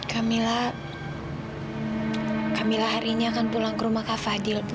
kamila kamila harinya akan pulang ke rumah kak fadil bu